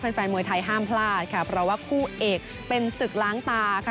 แฟนแฟนมวยไทยห้ามพลาดค่ะเพราะว่าคู่เอกเป็นศึกล้างตาค่ะ